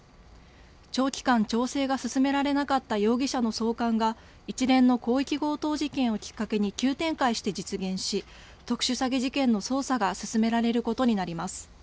長期間、調整が進められなかった容疑者の送還が一連の広域強盗事件をきっかけに急展開して実現し特殊詐欺事件の捜査が進められることになります。